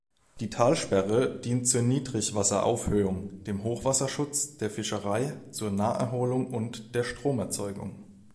Die Talsperre dient zur Niedrigwasseraufhöhung, dem Hochwasserschutz, der Fischerei, zur Naherholung und der Stromerzeugung.